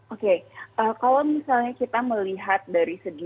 oke kalau misalnya kita melihat dari segi